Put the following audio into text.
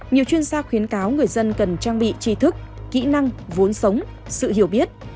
nhiều chuyên gia khuyến cáo người dân cần trang bị tri thức kỹ năng vốn sống sự hiểu biết